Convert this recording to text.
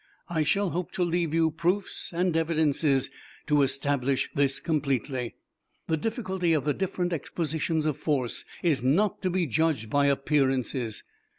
I shall hope to leave you proofs and evidences to establish this completely. The difficulty of the different expositions of force is not to be judged by appearances.